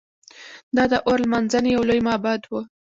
دا د اور لمانځنې یو لوی معبد و